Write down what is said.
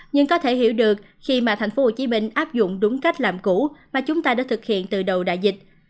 nhưng có thể hiểu được khi mà thành phố hồ chí minh áp dụng đúng cách làm cũ mà chúng ta đã thực hiện từ đầu đại dịch